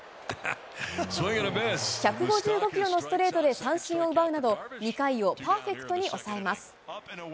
１５５キロのストレートで三振を奪うなど、２回をパーフェクトに抑えます。